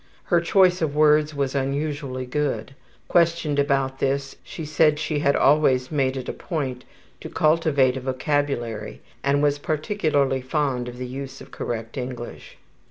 Her choice of words was unusually good. Questioned about this she said she had always made it a point to cultivate a vocabulary and was particularly fond of the use of correct English.